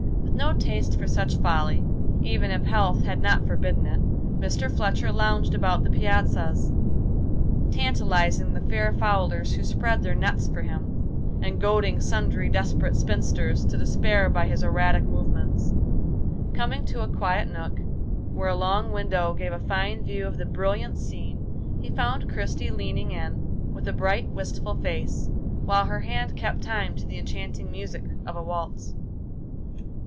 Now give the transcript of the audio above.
With no taste for such folly, even if health had not forbidden it, Mr. Fletcher lounged about the piazzas, tantalizing the fair fowlers who spread their nets for him, and goading sundry desperate spinsters to despair by his erratic movements. Coming to a quiet nook, where a long window gave a fine view of the brilliant scene, he found Christie leaning in, with a bright, wistful face, while her hand kept time to the enchanting music of a waltz.